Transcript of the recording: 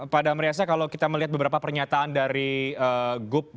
pak damriasa kalau kita melihat beberapa pernyataan dari gup